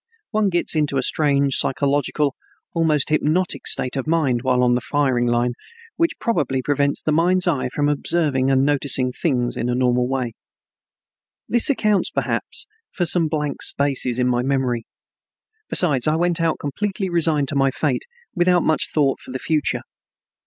One gets into a strange psychological, almost hypnotic, state of mind while on the firing line which probably prevents the mind's eye from observing and noticing things in a normal way. This accounts, perhaps, for some blank spaces in my memory. Besides, I went out completely resigned to my fate, without much thought for the future.